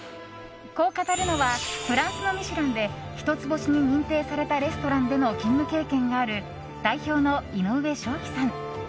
こう語るのはフランスの「ミシュラン」で一つ星に認定されたレストランでの勤務経験がある代表の井上翔輝さん。